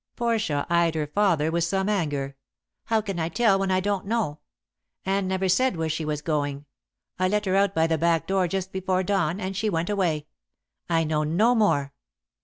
Portia eyed her father with some anger. "How can I tell when I don't know? Anne never said where she was going. I let her out by the back door just before dawn, and she went away. I know no more."